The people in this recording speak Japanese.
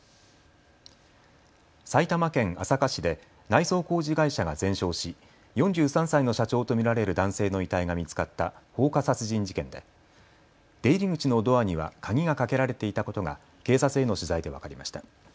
埼玉県朝霞市で内装工事会社が全焼し４３歳の社長と見られる男性の遺体が見つかった放火殺人事件で出入り口のドアには鍵がかけられていたことが警察への取材で分かりました。